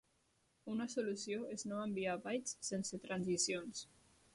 Una solució és no enviar bytes sense transicions.